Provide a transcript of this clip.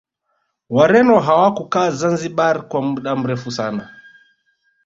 Wareno hawakukaa zanzibar kwa muda mrefu sana